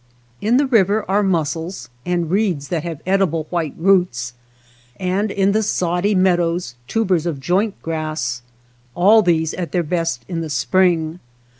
In the river are mussels, and reeds that have edible white roots, and in the soddy \ meadows tubers of joint grass ; all these at/ their best in the spring.